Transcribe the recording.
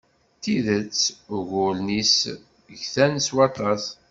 D tidet, uguren-is ggten s waṭṭas.